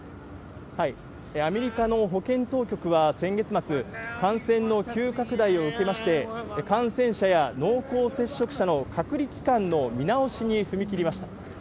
アメリカの保健当局は先月末、感染の急拡大を受けまして、感染者や濃厚接触者の隔離期間の見直しに踏み切りました。